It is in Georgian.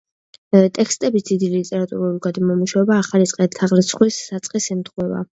ტექსტების დიდი ლიტერატურული გადამუშავება ახალი წელთაღრიცხვის საწყისს ემთხვევა.